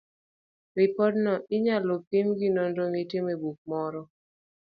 Ripodno inyalo pim gi nonro mitimo e buk moro.